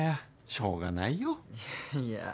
しょうがないよ。いやいや。